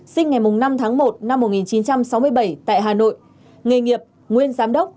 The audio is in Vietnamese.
sinh ngày năm tháng một năm một nghìn chín trăm sáu mươi bảy tại hà nội nghề nghiệp nguyên giám đốc